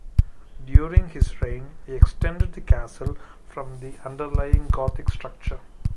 During his reign he extended the castle from the underlying Gothic structure.